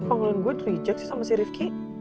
kok panggilan gue itu reject sih sama si rifki